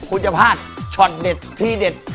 คุณจะพาชจ็อตเด็ดที่แบบ